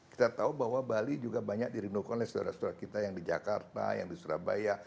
kita tahu bahwa bali juga banyak dirindukan oleh saudara saudara kita yang di jakarta yang di surabaya